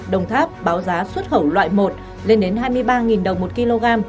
đồng tháp báo giá xuất khẩu loại một lên đến hai mươi ba đồng một kg